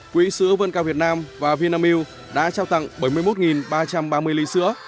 quỹ sữa vân cao việt nam và vinamilk đã trao tặng bảy mươi một ba trăm ba mươi ly sữa